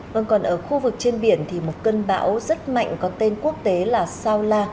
vâng còn ở khu vực trên biển thì một cơn bão rất mạnh có tên quốc tế là saula